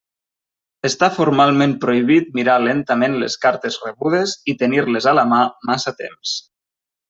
Està formalment prohibit mirar lentament les cartes rebudes i tenir-les a la mà massa temps.